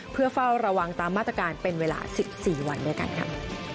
เพื่อเฝ้าระวังตามมาตรการเป็นเวลา๑๔วันด้วยกันค่ะ